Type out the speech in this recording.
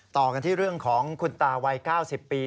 ต่อกันที่เรื่องของคุณตาวัย๙๐ปี